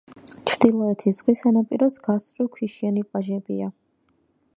ჩრდილოეთი ზღვის სანაპიროს გასწვრივ ქვიშიანი პლაჟებია.